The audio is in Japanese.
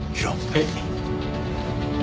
はい。